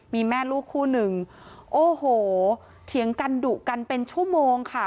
มีแม่ลูกคู่หนึ่งโอ้โหเถียงกันดุกันเป็นชั่วโมงค่ะ